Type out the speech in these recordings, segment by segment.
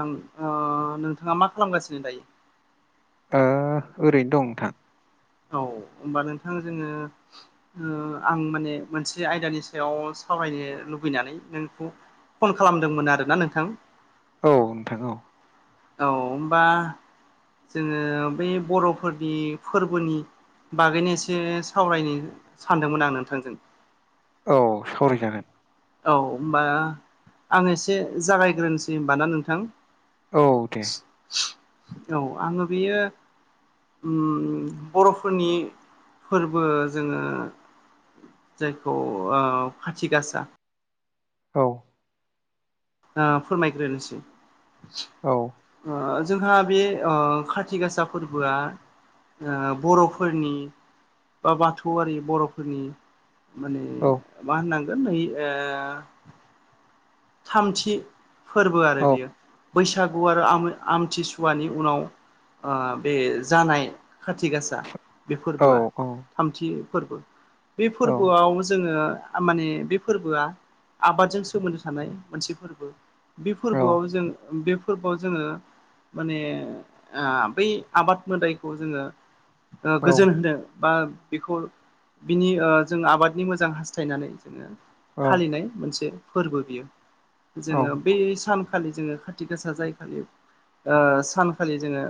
नोंथाङा मा खालामगासिनो दायो? आंयो ओरैनो दं नोंथां औ होमबा नोंथां जोङो आं माने मोनसे आयदानि सायाव सावरायनो लुबैनानै नोंखौ फन खालामदोंमोन आरोना नोंथां औ नोंथां औ औ होमबा जोङो बै बर'फोरनि फोरबोनि बागैनो एसे सावरायनो सानदोंमोन आं नोंथांजों औ सावरायजागोन औ होमबा आं एसे जागायग्रोनोसै होमबा ना नोंथां? औ दे औ आङो बेयो बर'फोरनि फोरबो जोङो जायखौ खाथि गासा औ फोरमायग्रोसै औ जोंहा बे खाथिग गासा फोरबोआ बर'फोरनि बा बाथौआरि बर'फोरनि माने औ मा होननांगोन नै ओ थामथि फोरबो आरो औ बेयो बैसागु आरो आमथिसुवानि उनाव ओबे जानाय खाथि गासा बे औ फोरबोआ औ थामथि फोरबो बे फोरबोआव जोङो माने बे फोरबोआ आबादजों सोमोन्दो थानाय मोनसे फोरबो बे औ फोरबोआव जों बे फोरबोआव जोङो माने बै आबाद मोदायखौ जोङो औ गोजोन होदों बा बेखौ बिनि जों आबादनि मोजां हास्थायनानै जोङो औ फालिनाय मोनसे फोरबो बियो औ जोङो बे सानखालि जोङो खाथि गासा जायखालि ओ सानखालि जोङो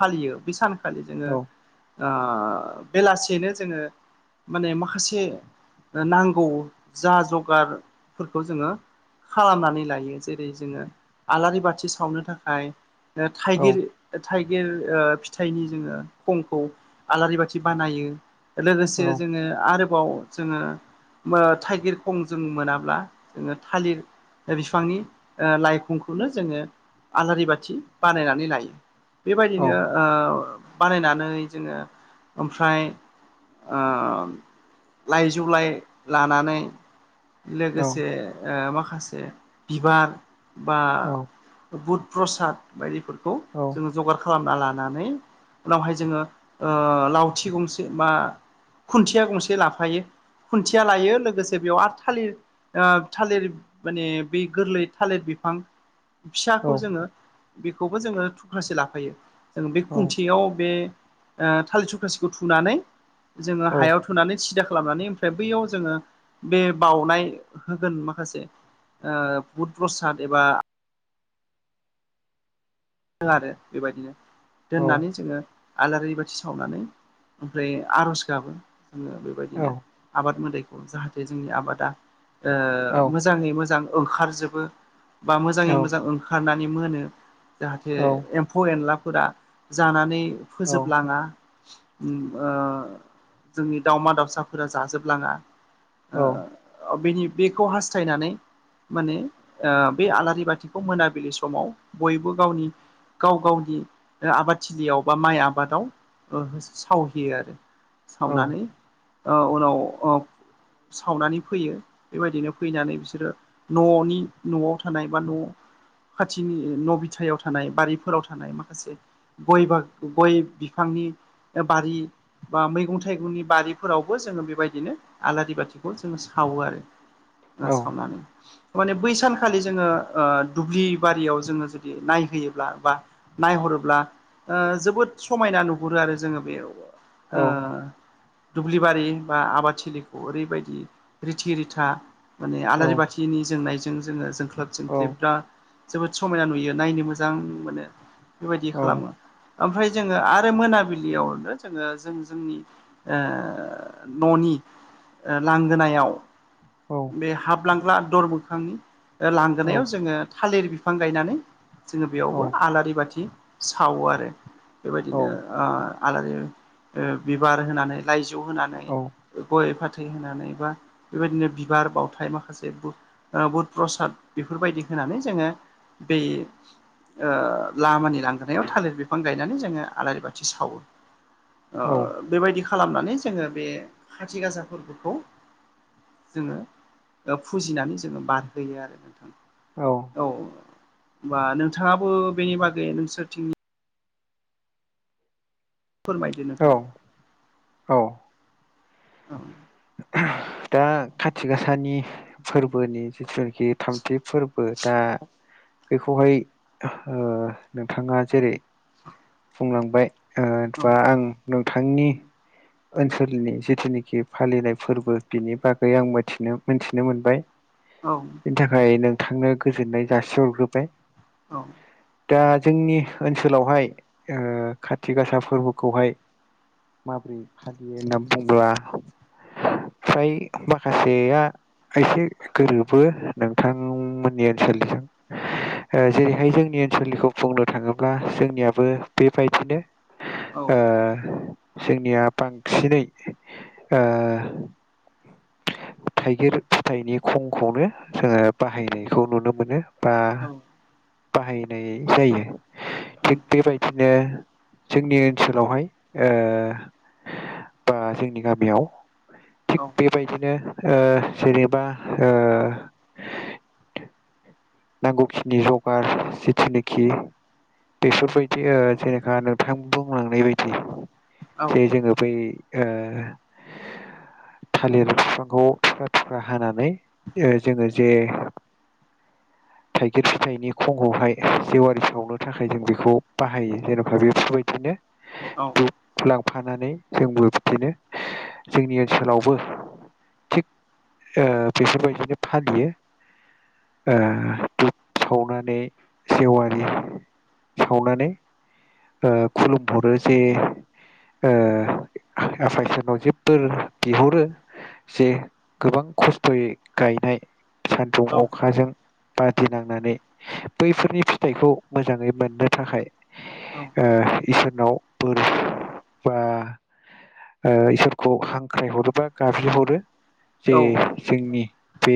फालियो बे सानखालि जोङो औ ओ बेलासियैनो जोङो माने माखासे नांगौ जा जगारफोरखौ जोङो खालामनानै लायो जेरै जोङो आलारि बाथि सावनो थाखाय औ थाइगिर थाइगिर ओ फिथाइनि जोङो खंखौ आलारि बाथि बानायो। लोगोसे जोङो आरो जोङो थाइगिर खं जों मोनाब्ला जोङो थालिर बिफांनि लाइखंखौनो जोङो आलारि बाथि बानायनानै लायो बेबायदिनो औ बानायनानै जोङो ओमफ्राय लाइ जौ लाय लानानै लोगोसे ओ माखासे बिबार बा औ औ बुध प्रसाद बायदिफोरखौ औ। जोङो जगार खालामना लानानै उनावहाय जोङो ओ लावथि गंसे बा खुन्थिया गंसे लाफायो खुन्थिया लायो लोगोसे बेयाव आरो थालिर ओ थालिर माने बे गोरलै थालिर बिफां फिसाखौ जोङो बेखौबो जोङो थुख्रासे लाफायो जों बे खुन्थियाव बे थालिर थुख्रासेखौ थुनानै जोङो हायाव औ थुनानै सिदा खालामनानै ओमफ्राय बैयाव जोङो बे बाउनाय गोन माखासे बुध प्रसाद एबा आरो बेबायदिनो दोननानै जोङो आलारि बाथि सावनानै ओमफ्राय आर'ज गाबो जोङो बेबायदिनो आबाद मोदायखौ जाहाथे जोंनि आबादा मोजां मोजाङै मोजां ओंखारजोबो बा मोजाङै मोजां ओंखारनानै मोनो। जाहाथे एम्फौ एनलाफोरा जानानै फोजोबलाङा। जोंनि दावमा दावसाफोरा जाजोबलाङा ओ बेनि बेखौ हास्थायनानै माने बे आलारि बाथिखौ मोनाबिलि समाव बयबो गावनि गाव गावनि आबादथिलियाव बा माइ आबादाव सावहैयो आरो सावनानै उनाव ओ सावनानै फैयो। बेबायदिनो फैनानै बिसोरो न'नि न'आव थानाय बा न' खाथिनि न' बिथथायाव थानाय बारिफोराव थानाय माखासे गय बागान गय बिफांनि बारि बा मैगं-थाइगंनि बारिफोरावबो जोङो बेबायदिनो आलारि बाथिखौ जोङो सावो आरो। सावनानै माने बै सानखालि जोङो ओ दुब्लि बारियाव जोङो नायहोयोब्ला बा नायहरोब्ला जोबोद समायना नुहुरो आरो जोङो बेयाव ओ दुब्लिबारि बा आबादथिलिखौ ओरैबायदि रिथि रिथा। माने आलारि बाथिनि जोंनायजों जोङो जोंख्लब जोंख्ललिब्रा जोबोद समायना नुयो। नायनो मोजां मोनो बेबायदि खालामो। ओमफ्राय जोङो आरो मोनाबिलियावनो जोङो जों जोंनि न'नि लांगोनायाव बे हाबलांग्रा दर मोखांनि लांगोनायाव जोङो थालिर बिफां गायनानै जोङो बेयावबो आलारि बाथि सावो आरो बेबायदिनो आलारि बिबार होनानै लाइजौ होनानै। गय फाथै होनानै बा बेबायदिनो बिबार बावथाय माखासे बुध प्रसाद बेफोरबायदि होनानै जोङो बै ओ लामानि लांग्रोनायाव थालिर बिफां गायनानै जोङो आलारि बाथि सावो। [inaudible] ओ बेबायदि खालामनानै जोङो बे खाथि गासा फोरबोखौ जोङो फुजिनानै जोङो बारहोयो आरो नोंथां। औ। औ। बा नोंथाङाबो बेनि बागै नोंसोरथिं फोरमाय औ-औ। औ। ओह दा खाथि गासानि फोरबोनि जिथुनाखि थामथि फोरबो दा बेखौहाय ओ नोंथाङा जेरै बुंलांबाय ओ औ बा आं नोंथांनि ओनसोलनि जिथुनिखि फालिनाय फोरबो बिनि बागै आं मिथिनो मोनथिनो मोनबाय। औ। बेनि थाखाय नोंथांनो गोजोननाय जासिहरग्रोबाय। औ। दा जोंनि ओनसोलावहाय ओ खाथि गासा फोरबोखौहाय माबोरै फालियो होनना बुंङोब्ला फ्राय माखासेया एसे गोरोबो नोंथांमोननि ओनसोलजों। ओ जेरैहाय जोंनि ओनसोलनिखौ बुंनो थाङोब्ला जोंनियाबो औ बेबायदिनोह ओ जोंनिया बांसिनै ओ थाइगिर फिथाइनि खंखौनो जोङो बाहायनायखौ नुनो मोनो। बा बाहायनाय जायो थिग बेबायदिनो जोंनि ओनसोलावहाय ओ बा जोंनि गामियाव थिग बेबायदिनो ओ जेनेबा ओ नांगौखिनि जगार जिथुनाखि बेफोरबायदि ओ जेनेखा नोंथां बुंलांनाय बायदि जे जोङो बै ओ थालिर बिफांखौ थुख्रा थुख्रा हानानै जोङो ओ जे थाइगिर फिथाइनि खंखौहाय जेवारि सावनो थाखाय जों बेखौ बाहायो जेन'बा बेफोरबायदिनो। [inaudible] औ। फलांफानानै जोंबो बिदिनो जोंनि ओनसोलावबो थिग ओ बेफोरबायदिनो फालियो। ओ दुब सावनानै जेवारि सावनानै। ओ खुलुमहरो जे ओ आफा इसोरनाव जे बोर बिहरो जे गोबां खस्थ'यै गायनाय सान्दुं अखाजों बादिनांनानै बैफोरनि फिथाइखौ मोजाङै मोननो थाखाय ओ इसोरनाव बोर बा ओ इसोरखौ हांख्राय हरोबा गाबज्रि हरो जे जोंनि बे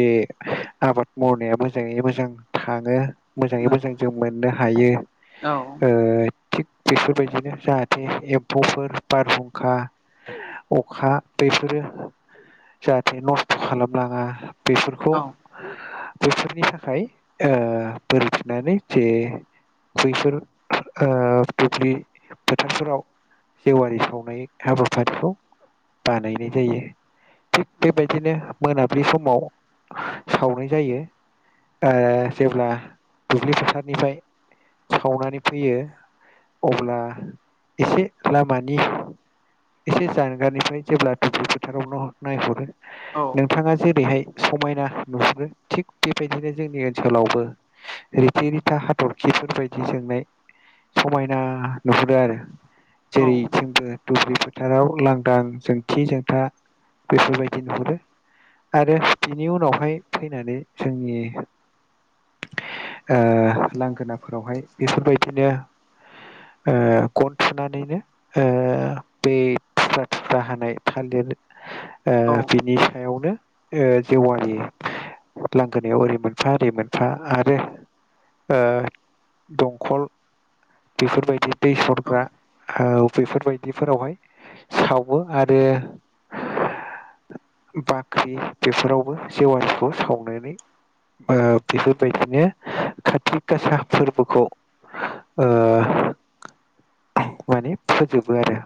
आबाद मावनायाबो मोजाङै मोजां थांङो मोजाङै नंगौ मोजां जों मोननो हायो औ ओ थिग बेफोरबायदिनो जाहाथे एम्फौफोर बारहुंखा अखा बेफोरो जाहाथे नस्थ' खालामलांङा बेफोरखौ औ बे नि थाखाय ओ बोर बिनानै जे बैफोर ओ दुब्लि फोथारफोराव जेवारि सावनाय हाबाफारिखौ बानायनाय जायो। थिग बेबायदिनो मोनाब्लि समाव सावनाय जायो। ओ जेब्ला दुब्लि फोथारनिफ्राय सावनानै फैयो अब्ला एसे लामानि एसे जानगारनिफ्राय जेब्ला दुब्लि फोथाराव न नायहरो औ नोंथाङा जेरैहाय समायना नुहुरो थिग बेबायदिनो जोंनि ओनसोलावबो रिथि रिथा हाथरखिफोरबायदि जोंनाय समायना नुहुरो आरो जेरैथिंबो। दुब्लि फोथाराव लांदां जोंथि जोंथा बेफोरबायदि नुहुरो। आरो बिनि उनावहाय फैनानै जोंनि ओ लांगोनाफोरावहाय बेफोरबायदिनो ओ गन थुनानैनो ओ बे थुफ्रा थुख्रा हानाय थालिर ओ औ बिनि सायावनो ओ जेवारि लांगोनायाव ओरै मोनफा ओरै मोनफा आरो ओ दंखल बेफोरबायदि दै औ सरग्रा आव बेफोरबायदिफोरावहाय सावो आरो बाख्रि बेफोरावबो जेवारिखौ सावनानै ओ बेफोरबायदिनो कातिक गासा फोरबोखौ ओ माने फोजोबो आरो।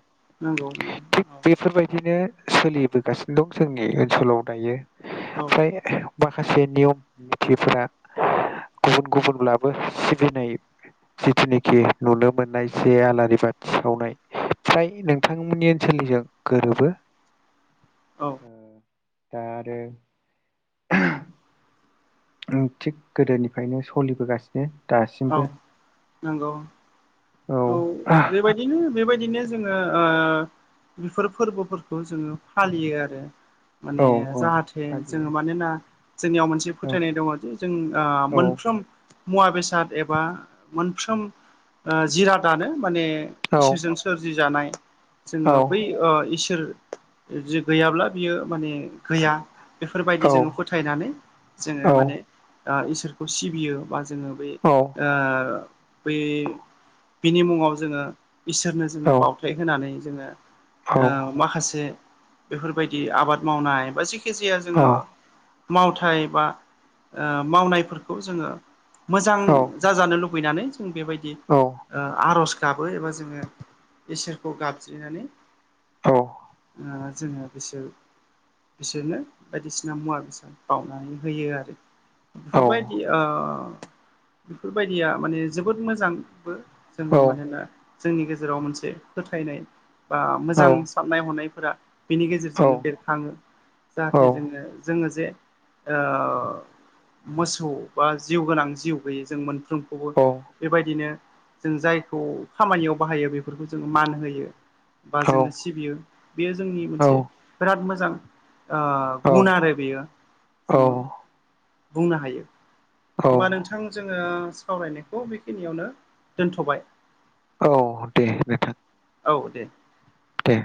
नंगौ उ। थिग बेफोरबायदिनो सोलिबोगासिनो दं जोंनि ओनसोलाव दायो औ फ्राय माखासे नियम निथिफोरा गुबुन गुबुनब्लाबो सिबिनाय जिखिनि जे नुनो मोननाय जे आलारि बाथि सावनाय फ्राय नोंथांमोननि ओनसोलनिजों गोरोबो। औ औ ओ दा आरो ओ थिग गोदोनिफ्रायनो सलिबोगासिनो औ दासिमबो। नंगौ औ बेबायदिनो बेबायदिनो जोंङो ओ बेफोर फोरबोफोरखौ जोङो फालियो आरो। औ माने औ जाहाथे फालियो जोङो मानोना जोंनियाव मोनसे औ फोथायनाय दङ जे जों ओ औ मोनफ्रोम मुवा बेसाद एबा मोनफ्रोम ओ जिरादानो माने इसोरजों औ सोरजि जानाय। औ जोङो बै ओ इसोर जे गैयाब्ला बियो माने गैया औ बेफोरबायदि जोङो फोथायनानै जोङो औ माने आ इसोरखौ सिबियो बा जोङो बे औ आ बे बिनि मुङाव जोङो इसोरनो औ जोङो बावथाय होनानै जोङो ओ माखासे बेफोरबायदि आबाद मावनाय बा जेखि जाया जोङो मावथाय बा ओ मावनायफोरखौ जोङो मोजां जाजानो लुबैनानै जों बेबायदि औ ओ आर'ज गाबो एबा जोङो इसोरखौ गाबज्रिनानै औ ओ जोङो बेसोर बिसोरनो बायदिसिना मुवा बेसाद बाउनानै होयो आरो। औ बेफोरबायदि ओ बेफोरबायदिया माने जोबोद मोजांबो। जोङो औ मानोना जोंनि गेजेराव मोनसे फोथायनाय बा औ मोजां साननाय हनायफोरा बेनि गेजेरजोंनो बेर खाङो जाहाथे जोङो जोङो जे ओ मोसौ बा जिउ गोनां जिउ गैयै जों मोनफ्रोमखौबो बेबायदिनो जों जायखौ खामानियाव बाहायो बेफोरखौ जोङो मान होयो बा जोङो सिबियो बियो जोंनि मोनसे बिराद मोजां आ गुन आरो बेयो जोङो बुंनो हायो होमबा नोंथां जोङो सावरायनायखौ बेखिनियावनो दोनथ'बाय औ दे नोंथां औ दे दे